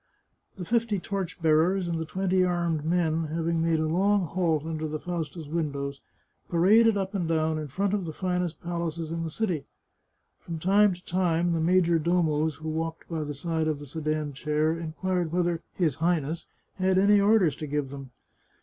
The fifty torch bearers and the twenty armed men, hav ing made a long halt under the Fausta's windows, paraded up and down in front of the finest palaces in the city. From time to time the major domos who walked by the side of the sedan chair inquired whether " his Highness " had any orders to give them.